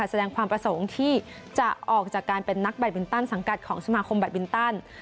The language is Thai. แสดงความประสงค์ที่จะออกจากการเป็นนักแบตบินตันสังกัดของสมาคมแบตบินตัน